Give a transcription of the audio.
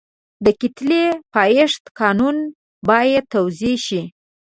د کتلې د پایښت قانون باید توضیح شي.